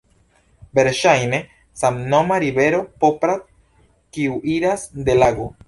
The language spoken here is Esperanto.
Verŝajne samnoma rivero Poprad kiu iras de lago.